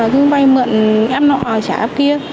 thường vay mượn áp nọ trả áp kia